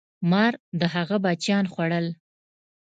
مار د هغه بچیان خوړل.